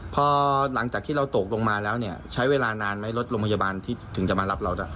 พอหลังจากที่เราตกลงมาแล้วเนี่ยใช้เวลานานไหมรถโรงพยาบาลที่ถึงจะมารับเราได้